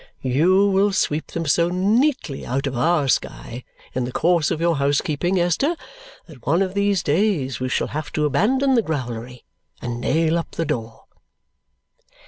"You will sweep them so neatly out of OUR sky in the course of your housekeeping, Esther, that one of these days we shall have to abandon the growlery and nail up the door."